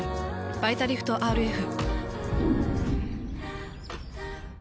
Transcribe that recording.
「バイタリフトＲＦ」。